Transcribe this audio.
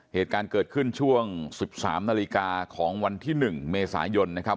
เหตุการณ์เกิดขึ้นช่วง๑๓นาฬิกาของวันที่๑เมษายนนะครับ